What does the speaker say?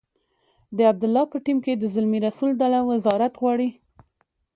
د عبدالله په ټیم کې د زلمي رسول ډله وزارت غواړي.